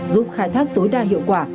giúp khai thác tối đa hiệu quả